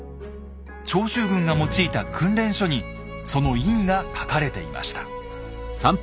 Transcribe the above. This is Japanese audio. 長州軍が用いた訓練書にその意味が書かれていました。